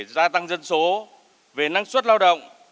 gia tăng dân số năng suất lao động